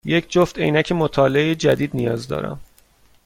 یک جفت عینک مطالعه جدید نیاز دارم.